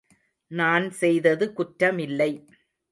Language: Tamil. நான் செய்தது குற்றமில்லை.